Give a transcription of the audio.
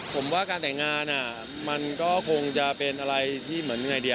ผมว่าการแต่งงานมันก็คงจะเป็นอะไรที่เหมือนยังไงดี